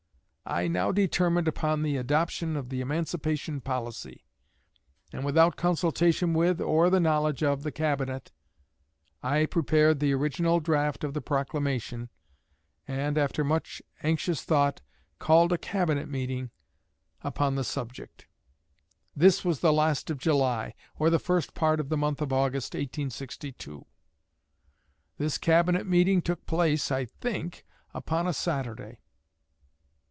I now determined upon the adoption of the emancipation policy; and, without consultation with, or the knowledge of, the Cabinet, I prepared the original draft of the proclamation, and, after much anxious thought, called a Cabinet meeting upon the subject. This was the last of July, or the first part of the month of August, 1862. This Cabinet meeting took place, I think, upon a Saturday.